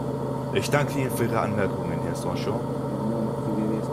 Ich danke Ihnen für Ihre Anmerkungen, Herr Sainjon.